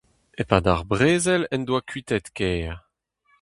E-pad ar brezel en doa kuitaet kêr.